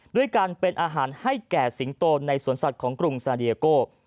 ด้วยการเป็นอาหารให้แก่สิงโตในสวนสัตว์ของกรุงซาเดียโก